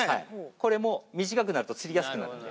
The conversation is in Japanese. これも短くなると釣りやすくなるんで。